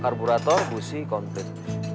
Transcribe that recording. karburator busi konflik